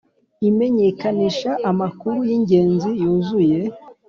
Imenyekanisha amakuru y ingenzi yuzuye